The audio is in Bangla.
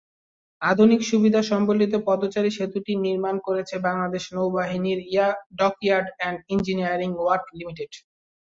আধুনিক সুবিধা-সংবলিত পদচারী-সেতুটি নির্মাণ করেছে বাংলাদেশ নৌবাহিনীর dockyard and engineering work limited.